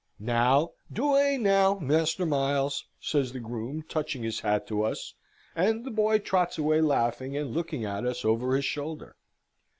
"Now, duee now, Master Miles," says the groom, touching his hat to us; and the boy trots away laughing and looking at us over his shoulder.